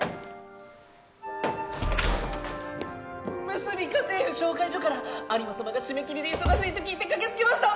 むすび家政婦紹介所から有馬様が締め切りで忙しいと聞いて駆けつけました！